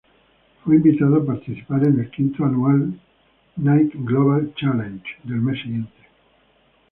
Fue invitado a participar en el quinto anual "Nike Global Challenge" del mes siguiente.